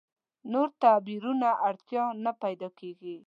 نور تعبیرونو اړتیا نه پیدا کېږي.